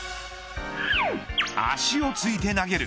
足をついて投げる。